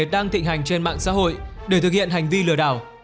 đang thịnh hành trên mạng xã hội để thực hiện hành vi lừa đảo